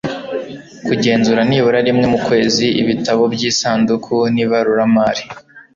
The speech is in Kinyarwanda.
kugenzura nibura rimwe mu kwezi ibitabo by'isanduku n'ibaruramari